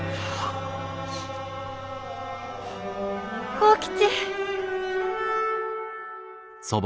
幸吉！